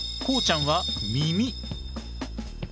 こうちゃんは耳。